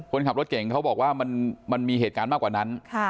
คนขับรถเก่งเขาบอกว่ามันมีเหตุการณ์มากกว่านั้น